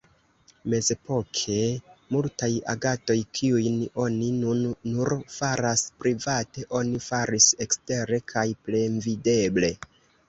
Mezepoke, multaj agadoj, kiujn oni nun nur faras private, oni faris ekstere kaj plenvideble.